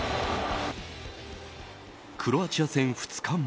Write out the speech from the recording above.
クロアチア戦２日前。